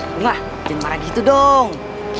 bunga jangan marah gitu dong